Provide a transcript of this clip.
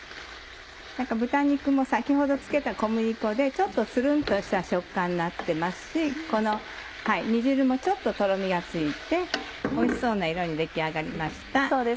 豚肉も先ほど付けた小麦粉でちょっとツルンとした食感になってますしこの煮汁もちょっととろみがついておいしそうな色に出来上がりました。